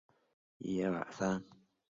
协议直到月底并无进展。